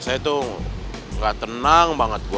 masa itu gak tenang banget gue